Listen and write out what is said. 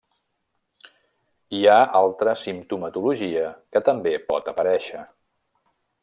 Hi ha altra simptomatologia que també pot aparèixer.